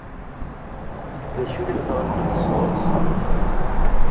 D acu i la ttṛaǧunt sɣur-s?